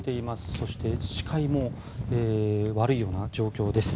そして視界も悪いような状況です。